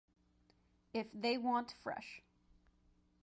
If they want fresh.